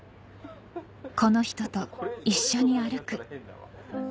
この人と一緒に歩く